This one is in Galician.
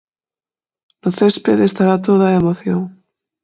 No céspede estará toda a emoción.